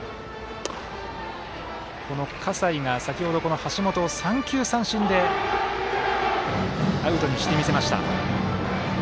葛西が先ほど橋本を三球三振でアウトにしてみせました。